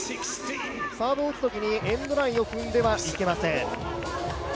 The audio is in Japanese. サーブを打つときに、エンドラインを踏んではいけません。